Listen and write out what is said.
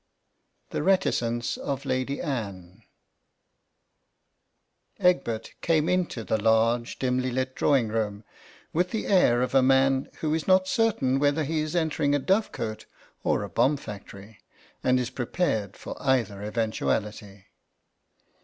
THE RETICENCE OF LADY ANNE EGBERT came into the large, dimly lit drawing room with the air of a man who is not certain whether he is entering a dovecote or a bomb factory, and is prepared for either eventuality.